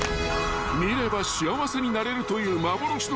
［見れば幸せになれるという幻の虹］